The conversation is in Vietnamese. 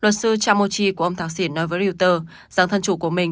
luật sư chammochi của ông thạc sỉn nói với reuters rằng thân chủ của mình